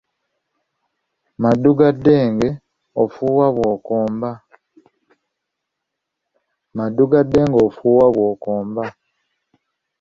Maddu ga ddenge, ofuuwa bw’okomba